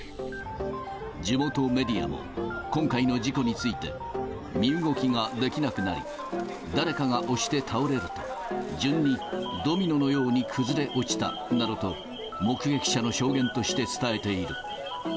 地元メディアも今回の事故について、身動きができなくなり、誰かが押して倒れると、順にドミノのように崩れ落ちたなどと、目撃者の証言として伝えている。